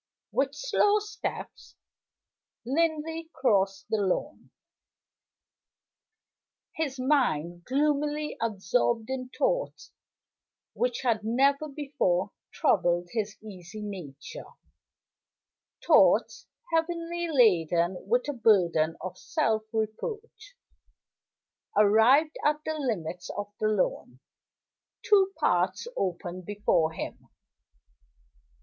With slow steps Linley crossed the lawn; his mind gloomily absorbed in thoughts which had never before troubled his easy nature thoughts heavily laden with a burden of self reproach. Arrived at the limits of the lawn, two paths opened before him.